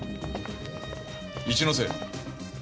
一ノ瀬。